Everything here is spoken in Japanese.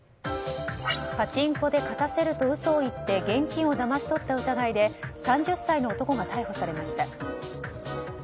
パチンコで勝たせると嘘を言って現金をだまし取った疑いで３０歳の男が逮捕されました。